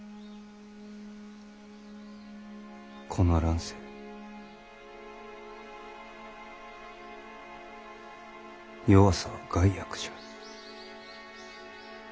この乱世弱さは害悪じゃ。